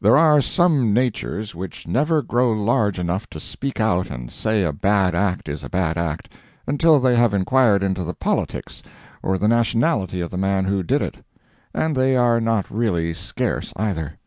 There are some natures which never grow large enough to speak out and say a bad act is a bad act, until they have inquired into the politics or the nationality of the man who did it. And they are not really scarce, either.